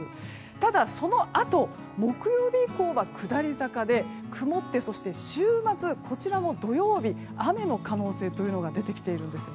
ただ、そのあと木曜日以降が下り坂で曇ってそして週末は土曜日に雨の可能性が出てきているんです。